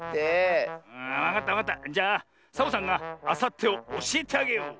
じゃあサボさんがあさってをおしえてあげよう。